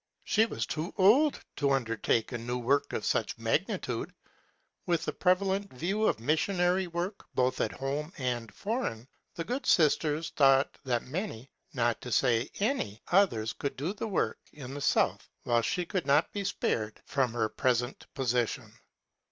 She was too old to undertake a new work of snch magni tude. With the prevalent view of missionary work, both home and foreign, the good sis ters thought that many, not to SAjany^ others could do the work in the south while she could not be spared from her present po sition.